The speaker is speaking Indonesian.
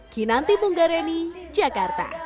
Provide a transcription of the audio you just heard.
kinanti bung gareni jakarta